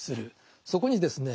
そこにですね